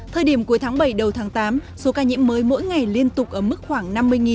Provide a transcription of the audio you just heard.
thời điểm cuối tháng bảy đầu tháng tám số ca nhiễm mới mỗi ngày liên tục ở mức khoảng năm mươi